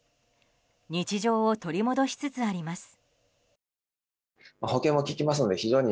日常を取り戻しつつあります。